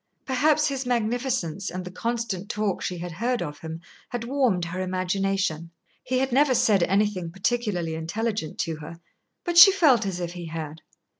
Perhaps his magnificence and the constant talk she had heard of him had warmed her imagination. He had never said anything particularly intelligent to her, but she felt as if he had.